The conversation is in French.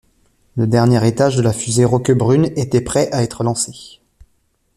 Le dernier étage de la “fusée Roquebrune” était prêt à être lancé.